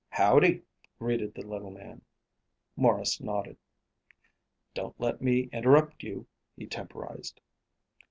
"Howdy!" greeted the little man. Maurice nodded. "Don't let me interrupt you," he temporized.